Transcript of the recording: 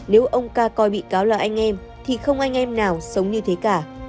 nếu ông ca coi bị cáo là anh em thì không anh em nào sống như thế cả